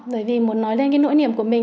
bởi vì muốn nói lên cái nỗi niềm của mình